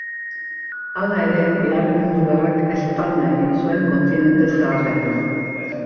Hala ere, Bigarren Mundu Gerrak eztanda egin zuen kontinente zaharrean.